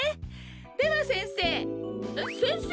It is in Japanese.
では先生えっ先生！？